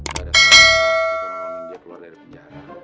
pada saat itu dia mau nginjak keluar dari penjara